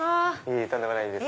とんでもないです。